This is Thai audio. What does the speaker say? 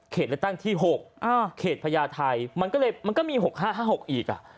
เขตเลือกตั้งที่๖เขตพญาไทมันก็มี๖๕๕๖อีก